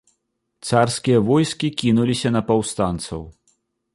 Царскія войскі кінуліся на паўстанцаў.